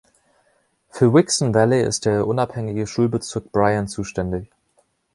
Für Wixon Valley ist der unabhängige Schulbezirk Bryan zuständig.